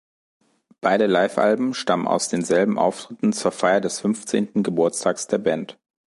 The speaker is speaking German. Beide Livealben stammen aus denselben Auftritten zur Feier des fünfzehnten Geburtstags der Band.